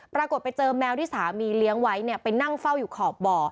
ปรากฏไปเจอแมวที่สามีเลี้ยงไว้เนี่ยไปนั่งเฝ้าอยู่ขอบบ่อ